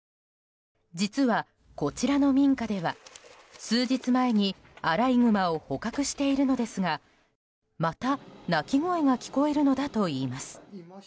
実は、こちらの民家では数日前にアライグマを捕獲しているのですがまた鳴き声が聞こえるのだといいます。